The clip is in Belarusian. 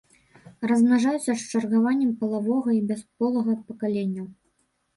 Размнажаюцца з чаргаваннем палавога і бясполага пакаленняў.